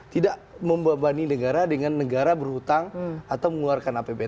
tidak membebani negara dengan negara berhutang atau mengeluarkan apbn